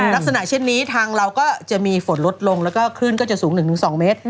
ลักษณะเช่นนี้ทางเราก็จะมีฝนลดลงแล้วก็คลื่นก็จะสูง๑๒เมตร